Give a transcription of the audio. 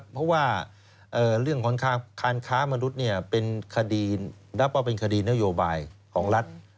เพราะว่าเรื่องของการค้ามนุษย์เป็นคดีนับว่าเป็นคดีนโยบายของรัฐ